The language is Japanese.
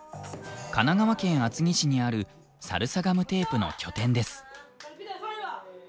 神奈川県厚木市にあるサルサガムテープの拠点です。